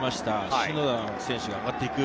篠田選手が上がって行く。